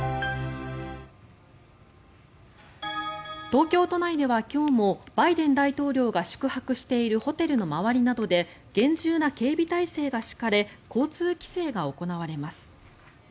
東京都内では今日もバイデン大統領が宿泊しているホテルの周りなどで厳重な警備態勢が敷かれ交通規制が行われます。